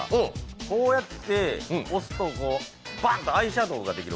こうやって、押すと、バッとアイシャドウができる。